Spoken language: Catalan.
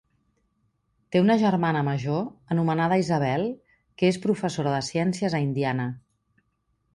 Té una germana major anomenada Isabel que és professora de ciències a Indiana.